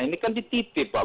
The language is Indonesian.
ini kan dititip pak